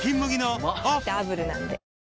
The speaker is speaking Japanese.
うまダブルなんで